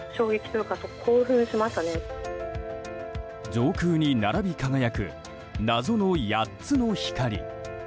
上空に並び輝く謎の８つの光。